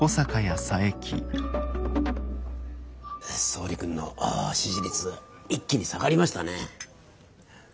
総理君の支持率一気に下がりましたね。